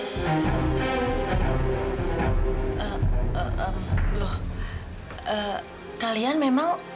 sudah berjalan ke rumah